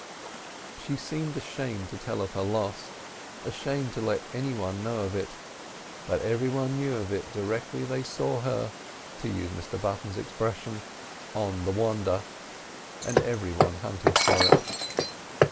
She seemed ashamed to tell of her loss, ashamed to let any one know of it; but every one knew of it directly they saw her, to use Mr Button's expression, "on the wandher," and every one hunted for it.